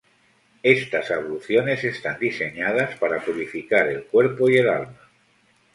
Estas abluciones están diseñadas para purificar el cuerpo y el alma.